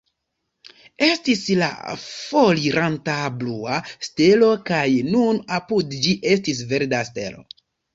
Estis la foriranta blua stelo, kaj nun apud ĝi estis verda stelo.